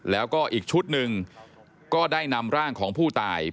แล้วก็อีกชุดหนึ่งก็ได้นำร่างของผู้ตาย